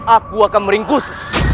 aku akan meringkus